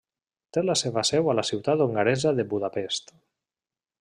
Té la seva seu a la ciutat hongaresa de Budapest.